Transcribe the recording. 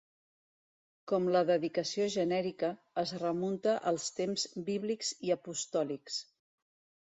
Com la dedicació genèrica, es remunta als temps bíblics i apostòlics.